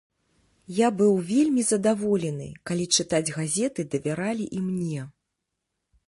Я быў вельмі задаволены, калі чытаць газеты давяралі і мне.